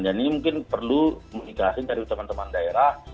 dan ini mungkin perlu diikasin dari teman teman daerah